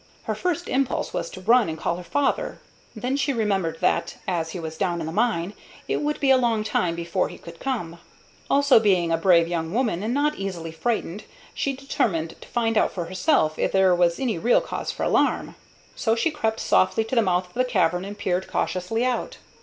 Her first impulse was to run and call her father. Then she remembered that, as he was down in the mine, it would be a long time before he could come. Also, being a brave young woman and not easily frightened, she determined to find out for herself if there was any real cause for alarm. So she crept softly to the mouth of the cavern and peered cautiously out.